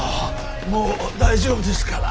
もう大丈夫ですから。